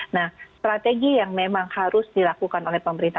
nah strategi yang memang harus dilakukan oleh pemerintah